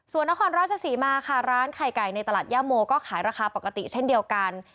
ส่วนนครราชศรีมาค่ะร้านไข่ไก่ในตลาดย่าโมก็ขายราคาปกติเช่นเดียวกัน